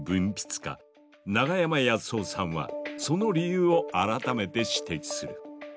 長山靖生さんはその理由を改めて指摘する。